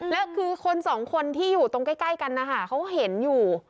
แล้วคือคนสองคนที่อยู่ตรงใกล้กันนะคะเขาเห็นอยู่